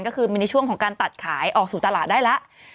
ก็คือมีในช่วงของการตัดขายออกสู่ตลาดได้แล้ว